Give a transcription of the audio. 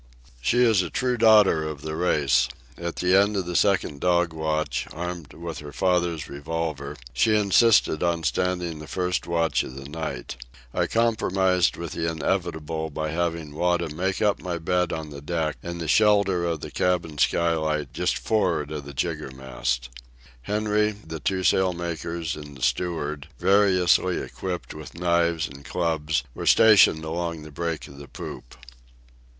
She is a true daughter of the race. At the end of the second dog watch, armed with her father's revolver, she insisted on standing the first watch of the night. I compromised with the inevitable by having Wada make up my bed on the deck in the shelter of the cabin skylight just for'ard of the jiggermast. Henry, the two sail makers and the steward, variously equipped with knives and clubs, were stationed along the break of the poop.